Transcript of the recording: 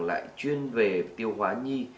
lại chuyên về tiêu hóa nhi